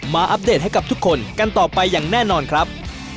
อัปเดตให้กับทุกคนกันต่อไปอย่างแน่นอนครับ